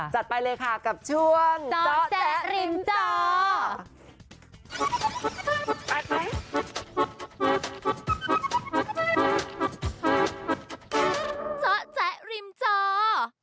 จัดไปเลยค่ะกับช่วงเจาะแจ๊ะริมเจาะ